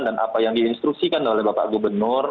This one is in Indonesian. dan apa yang diinstruksikan oleh pak gubernur